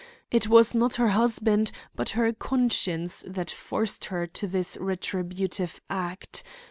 It was not her husband but her conscience that forced her to this retributive act.